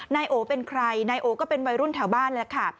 นายโอเป็นใครนายโอก็เป็นวัยรุ่นแถวบ้านแล้วค่ะ